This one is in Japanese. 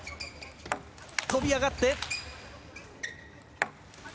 飛び上がって。